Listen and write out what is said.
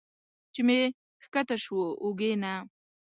چې مې ښکته شو اوږې نه